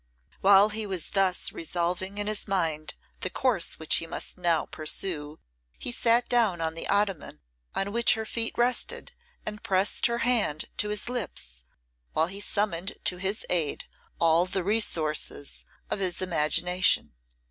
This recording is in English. While he was thus revolving in his mind the course which he must now pursue, he sat down on the ottoman on which her feet rested, and pressed her hand to his lips while he summoned to his aid all the resources of his imagination.